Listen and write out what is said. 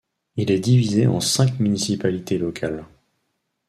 Il est divisé en cinq municipalités locales.